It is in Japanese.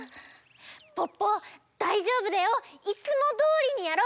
ポッポだいじょうぶだよ！いつもどおりにやろう！